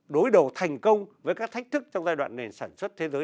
đối đầu thành công với các thách thức trong giai đoạn nền sản xuất thế giới